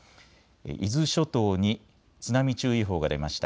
伊豆諸島に津波注意報が出ました。